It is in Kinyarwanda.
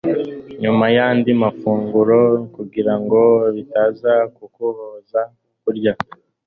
nyuma y'andi mafunguro kugirango bitaza kukubuza kurya.